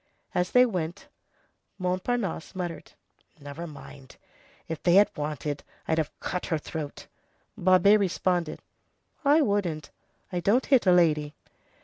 As they went, Montparnasse muttered:— "Never mind! if they had wanted, I'd have cut her throat." Babet responded "I wouldn't. I don't hit a lady."